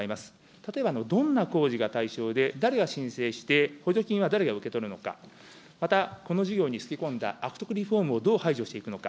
例えば、どんな工事が対象で誰が申請して、補助金は誰が受け取るのか、また、この事業につけ込んだ悪徳リフォームをどう排除していくのか。